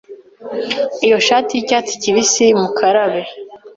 Iyo shati yicyatsi kibisi mukarabe?